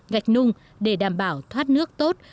gạch nung để đảm bảo thoát nước tốt